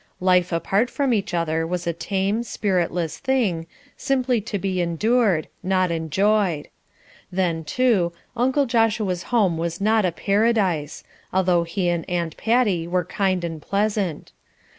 Life apart from each other was a tame, spiritless thing, simply to be endured, not enjoyed; then, too, Uncle Joshua's home was not a Paradise, although he and Aunt Patty were kind and pleasant.